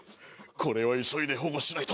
これは急いで保護しないと。